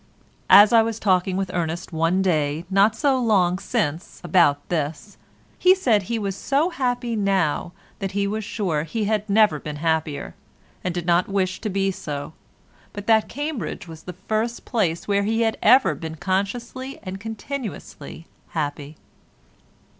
As I was talking with Ernest one day not so long since about this, he said he was so happy now that he was sure he had never been happier, and did not wish to be so, but that Cambridge was the first place where he had ever been consciously and continuously happy.